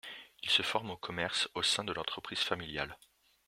Il se forme au commerce au sein de l'entreprise familiale.